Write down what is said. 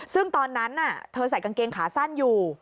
ซึ่งตอนนั้นเธอใส่กางเกงขาสั้นอยู่